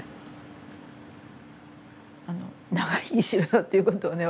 あの「長生きしろよ」っていうことをね